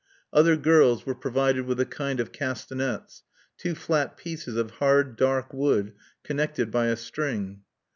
Other girls were provided with a kind of castanets, two flat pieces of hard dark wood, connected by a string.